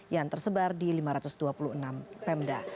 yang tersebar di lima ratus dua puluh enam pemda